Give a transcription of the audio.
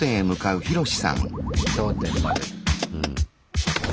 うん。